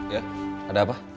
ya ada apa